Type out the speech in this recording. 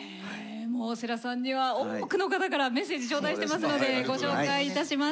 もう世良さんには多くの方からメッセージ頂戴してますのでご紹介いたします。